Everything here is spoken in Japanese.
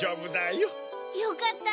よかった！